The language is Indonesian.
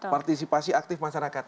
partisipasi aktif masyarakat